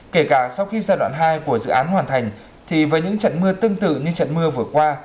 kể cả sau khi giai đoạn hai của dự án hoàn thành thì với những trận mưa tương tự như trận mưa vừa qua